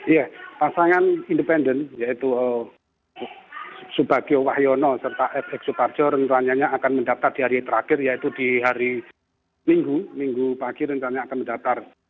iya pasangan independen yaitu subagio wahyono serta fx suparjo rencananya akan mendaftar di hari terakhir yaitu di hari minggu minggu pagi rencananya akan mendaftar